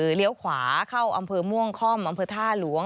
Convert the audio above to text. สระบุรีฝาเข้าอำเภอม่วงคอมอำเภอท่าหลวง